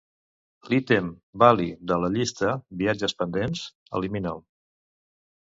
L'ítem "Bali" de la llista "viatges pendents" elimina'l.